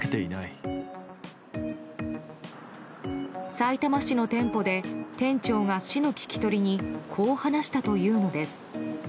さいたま市の店舗で店長が市の聞き取りにこう話したというのです。